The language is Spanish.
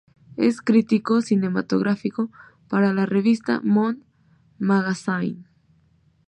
Es crítico cinematográfico para la revista Moon Magazine.